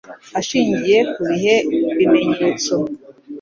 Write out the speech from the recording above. ashingiye ku bihe bimenyetso